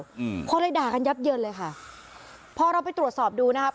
อืมคนเลยด่ากันยับเยินเลยค่ะพอเราไปตรวจสอบดูนะครับ